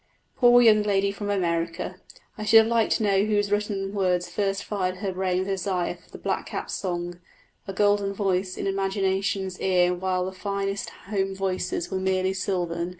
Poor young lady from America! I should have liked to know whose written words first fired her brain with desire of the blackcap's song a golden voice in imagination's ear, while the finest home voices were merely silvern.